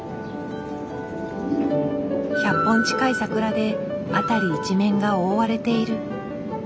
１００本近い桜で辺り一面が覆われている。